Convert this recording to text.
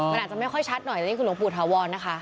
มันอาจจะไม่ค่อยชัดหน่อยแต่นี่คือหลวงปู่ถาวรนะคะ